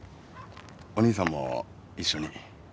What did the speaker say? お兄さんも一緒に。